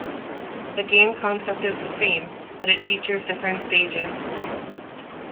The game concept is the same, but it features different stages.